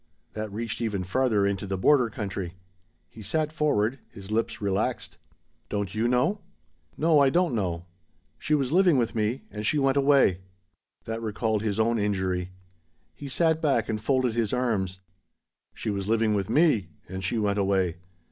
That reached even farther into the border country. He sat forward his lips relaxed. "Don't you know?" "No I don't know. She was living with me, and she went away." That recalled his own injury. He sat back and folded his arms. "She was living with me and she went away.